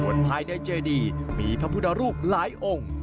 ภายในเจดีมีพระพุทธรูปหลายองค์